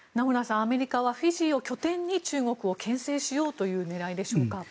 アメリカはフィジーを拠点に中国をけん制しようという狙いでしょうか。